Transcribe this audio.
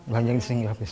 belajar desain grafis